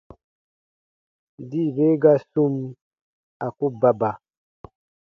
Dii be ga sum, a ku baba.